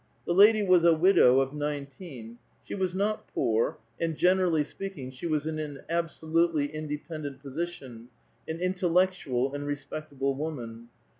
The lady was a widow of nineteen ; she was not IXK)r, and, generally sf^eaking, she was in an absolutely in dependent position, an intellectual and respectable woman.